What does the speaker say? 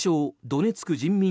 ドネツク人民